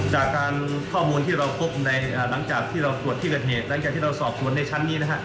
จากการข้อมูลที่เราพบในหลังจากที่เราตรวจที่เกิดเหตุหลังจากที่เราสอบสวนในชั้นนี้นะฮะ